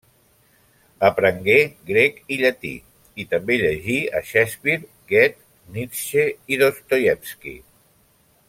Aprengué grec i llatí, i també llegí a Shakespeare, Goethe, Nietzsche i Dostoievski.